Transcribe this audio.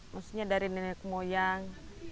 maksudnya dari nenek moyang